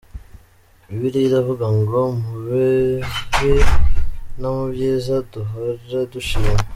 Bibiliya iravuga ngo “mu bibi no mu byiza duhora dushima.